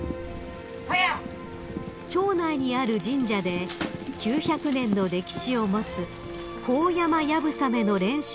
［町内にある神社で９００年の歴史を持つ高山流鏑馬の練習をご覧になりました］